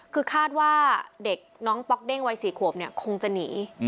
คือคาดว่าเด็กน้องป๊อกเด้งวัย๔ขวบเนี่ยคงจะหนี